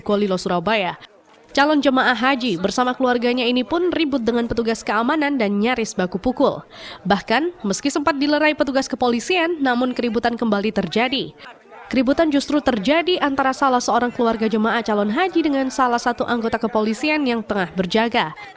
keluarga jemaah calon haji dengan salah satu anggota kepolisian yang tengah berjaga